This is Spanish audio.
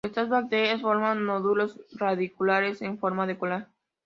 Estas bacterias forman nódulos radiculares en forma de coral.